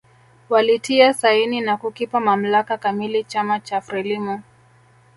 Walitia saini na kukipa mamlaka kamili chama cha Frelimo